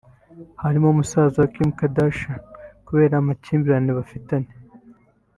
harimo musaza wa Kim Kardashian kubera amakimbirane bafitanye